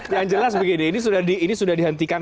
yang jelas begini ini sudah dihentikan